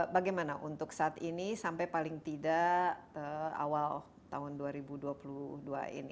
bagaimana untuk saat ini sampai paling tidak awal tahun dua ribu dua puluh dua ini